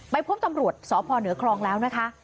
พบตำรวจสพเหนือคลองแล้วนะคะ